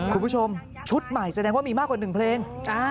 คุณผู้ชมชุดใหม่แสดงว่ามีมากกว่า๑เพลง